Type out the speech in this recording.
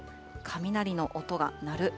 雷の音が鳴る。